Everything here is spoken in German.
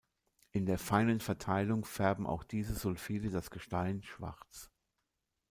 In der feinen Verteilung färben auch diese Sulfide das Gestein schwarz.